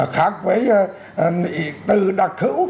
khác với tư đặc hữu